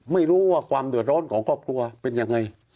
ไม่รู้ว่าความเดือดร้อนของครอบครัวเป็นยังไง